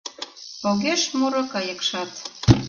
Огеш муро кайыкшат;